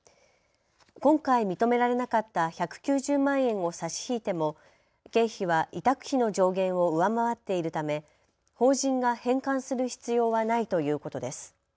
今回認められなかった１９０万円を差し引いても経費は委託費の上限を上回っているため法人が返還する必要はないということです。